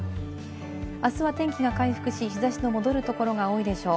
あすは天気が回復し日差しの戻るところが多いでしょう。